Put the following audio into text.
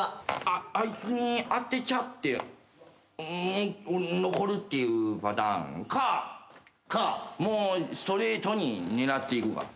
あいつに当てちゃって残るっていうパターンかもうストレートに狙っていくか。